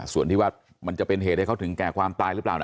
ส่วนที่ว่ามันจะเป็นเหตุให้เขาถึงแก่ความตายหรือเปล่า